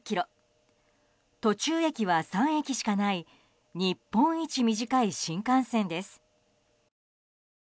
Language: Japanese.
途中駅は３駅しかない日本一短い新幹線です。